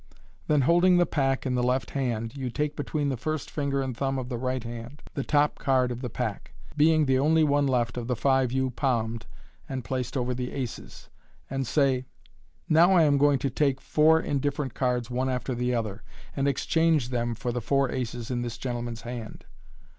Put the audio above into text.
Then, holding the pack in the left hand, you take between the first finger and thumb of the right hand the top card of the pack, being the only one left of the five you palmed and placed over the aces, and say, " Now I am going to take four indifferent cards one after the other, and exchange them for the four aces in this gentleman's hand.